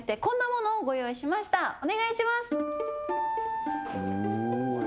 お願いします。